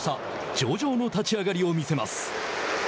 上々の立ち上がりを見せます。